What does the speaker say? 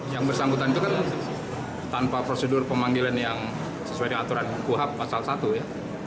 yang bersangkutan itu kan tanpa prosedur pemanggilan yang sesuai dengan aturan kuhab pasal satu ya